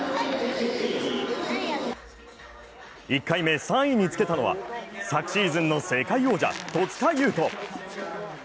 １回目、３位につけたのは昨シーズンの世界王者、戸塚優斗。